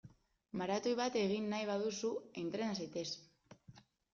Maratoi bat egin nahi baduzu, entrena zaitez!